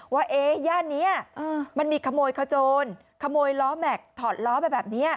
ว่าย่านนี้มันมีขโมยขโจรขโมยล้อแม็กซ์ถอดล้อไปแบบนี้